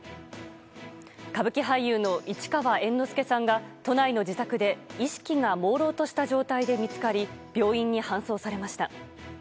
歌舞伎俳優の市川猿之助さんが都内の自宅で意識がもうろうとした状態で見つかり病院に搬送されました。